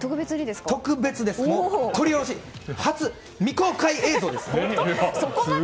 特別、撮りおろし初未公開映像です。